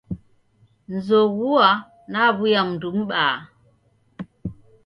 Nzoghua naw'uya mndu m'baa.